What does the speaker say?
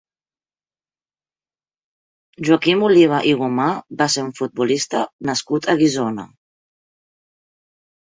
Joaquim Oliva i Gomà va ser un futbolista nascut a Guissona.